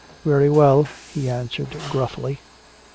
"Very well," he answered gruffly.